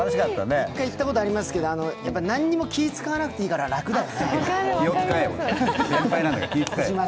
一回行ったことがありますけど、何も気を使わなくて済むから楽だよ。